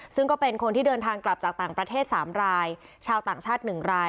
ซึ่งก็เป็นคนที่เดินทางกลับจากต่างประเทศ๓รายชาวต่างชาติ๑ราย